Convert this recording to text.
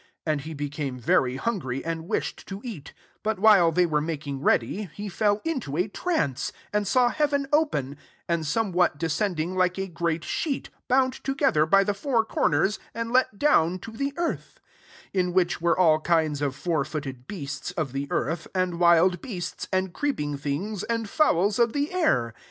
10 And he became very hungry, and wished to eat: but while they were making ready, he fell into a trance; 11 and saw heaven open, and some* what descending like a greai sheet, \hound together] by th four corners, [and'] let down t( the earth :12 m which were all kinde t^ four footed beasts fof the earth,J \and wld bea»u^ and creeping things, and fowlsj of the air.